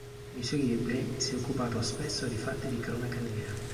Nei suoi libri si è occupato spesso di fatti di cronaca nera.